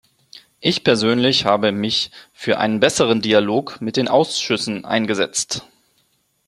Ich persönlich habe mich für einen besseren Dialog mit den Ausschüssen eingesetzt.